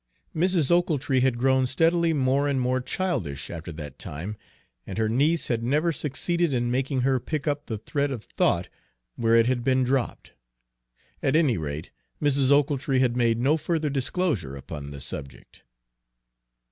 Mrs. Ochiltree had grown steadily more and more childish after that time, and her niece had never succeeded in making her pick up the thread of thought where it had been dropped. At any rate, Mrs. Ochiltree had made no further disclosure upon the subject.